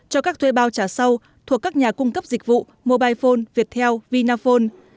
cho các thuê bao trả sau thuộc các nhà cung cấp dịch vụ mobile phone viettel vinaphone